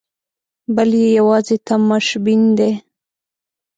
بل یې یوازې تماشبین دی.